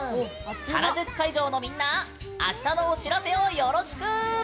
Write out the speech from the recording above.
原宿会場のみんなあしたのお知らせをよろしく！